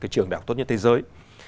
trường đạo tốt nhất thế giới